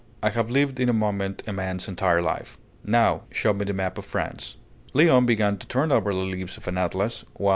I have lived in a moment a man's entire life. Now show me the map of France!" Léon began to turn over the leaves of an atlas, while M.